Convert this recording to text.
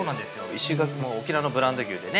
石垣、沖縄のブランド牛でね。